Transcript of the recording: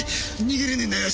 逃げれねえんだよ。